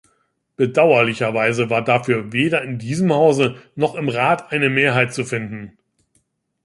Bedauerlicherweise war dafür weder in diesem Hause noch im Rat eine Mehrheit zu finden.